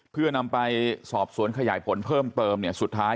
เพื่อนำไปสอบสวนขยายผลเพิ่มเติมเนี่ยสุดท้าย